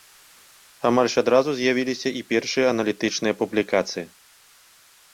Амаль адразу з'явіліся іх першыя аналітычныя публікацыі.